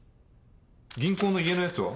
銀行の家のやつは？